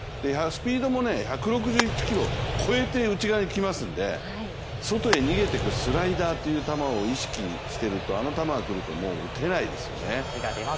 スピードも１６１キロ超えて内側に来ますんで外へ逃げていくスライダーという球を意識してると、あの球が来るともう打てないですよね。